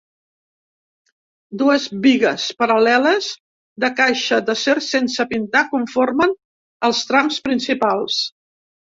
Dues bigues paral·leles de caixa d'acer sense pintar conformen els trams principals.